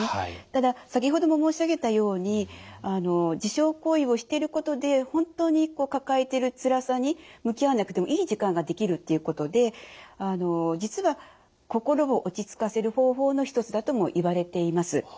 ただ先ほども申し上げたように自傷行為をしてることで本当に抱えてるつらさに向き合わなくてもいい時間ができるっていうことで実は心を落ち着かせる方法の一つだともいわれています。